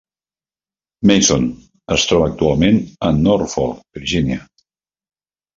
"Mason" es troba actualment a Norfolk, Virginia.